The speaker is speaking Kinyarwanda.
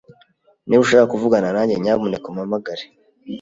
Niba ushaka kuvugana nanjye, nyamuneka umpamagare.